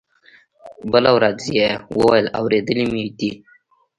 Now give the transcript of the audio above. بله ورځ يې وويل اورېدلي مې دي.